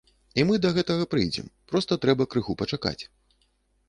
І мы да гэтага прыйдзем, проста трэба крыху пачакаць.